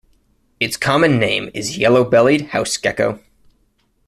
Its common name is Yellow-bellied House Gecko.